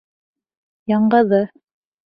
Яңғыҙы.